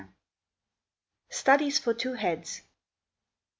STUDIES FOR TWO HEADS.